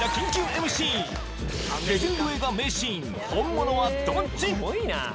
レジェンド映画名シーン本物はどっち？